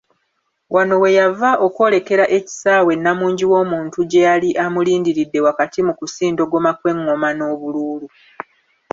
Wano weyava okwolekera ekisaawe nnamungi w’omuntu gyeyali amulirindiridde wakati mu kusindogoma kw’engoma n’obuluulu.